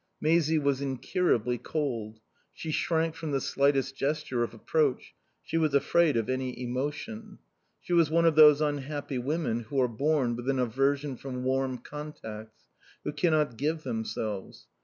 Maisie was incurably cold. She shrank from the slightest gesture of approach; she was afraid of any emotion. She was one of those unhappy women who are born with an aversion from warm contacts, who cannot give themselves.